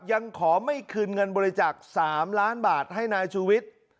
ยังขอไม่คืนเงินบริจาค๓ล้านบาทให้นายชูวิทย์